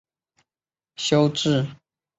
修智心净。